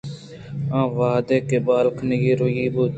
آ وہدے کہ بال کنگ ءُ رَوَگی بُوت